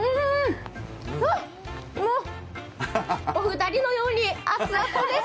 お二人のように熱々です。